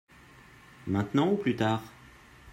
Maintenant ou plus tard ?